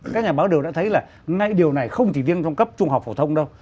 các nhà báo đều đã thấy là ngay điều này không chỉ riêng trong cấp trung học phổ thông đâu